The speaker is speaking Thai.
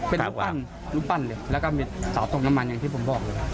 เป็นรูปปั้นรูปปั้นเลยแล้วก็มีเสาตกน้ำมันอย่างที่ผมบอกเลย